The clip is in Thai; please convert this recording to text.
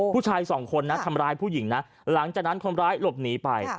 ผู้ชายสองคนนะทำร้ายผู้หญิงนะหลังจากนั้นคนร้ายหลบหนีไป